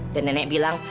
dan nenek bilang